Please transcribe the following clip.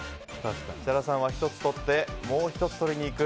設楽さんは１つ取ってもう１つ取りに行く。